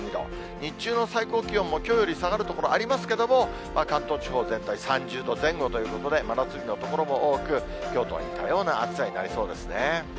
日中の最高気温も、きょうより下がる所ありますけれども、関東地方全体、３０度前後ということで、真夏日の所も多く、きょうと似たような暑さになりそうですね。